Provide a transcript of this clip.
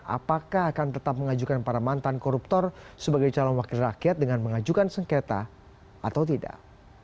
apakah akan tetap mengajukan para mantan koruptor sebagai calon wakil rakyat dengan mengajukan sengketa atau tidak